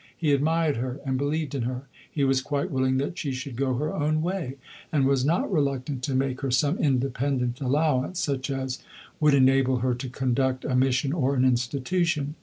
He admired her and believed in her; he was quite willing that she should go her own way, and was not reluctant to make her some independent allowance, such as would enable her to conduct a mission or an institution.